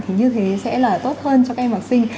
thì như thế sẽ là tốt hơn cho các em học sinh